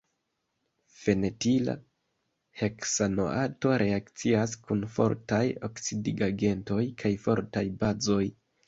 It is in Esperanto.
Fenetila heksanoato reakcias kun fortaj oksidigagentoj kaj fortaj bazoj.